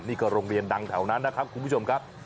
นี่ก็โรงเรียนดังแถวนั้นนะครับคุณผู้ชมครับ